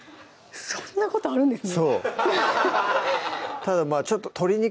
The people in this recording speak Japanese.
そんなことあるんですね